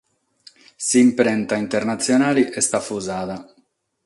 S'imprenta internatzionale est afusada.